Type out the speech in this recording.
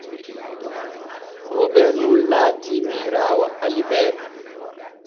Robee nun laatii miiraawo Alibee.